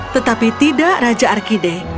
tetapi tidak raja arkideh